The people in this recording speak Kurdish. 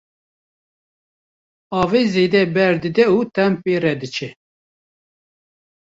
avê zêde ber dide û tehm pê re diçe.